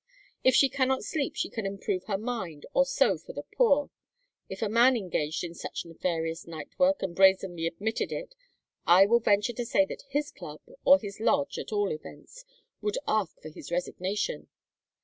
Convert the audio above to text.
If she cannot sleep she can improve her mind or sew for the poor. If a man engaged in such nefarious night work and brazenly admitted it, I will venture to say that his Club, or his Lodge, at all events, would ask for his resignation.